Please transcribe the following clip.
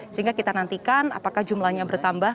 sehingga kita nantikan apakah jumlahnya bertambah